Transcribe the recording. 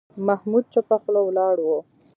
محمود چوپه خوله ولاړ و.